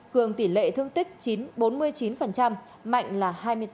cường tỷ lệ thương tích chín bốn mươi chín mạnh là hai mươi tám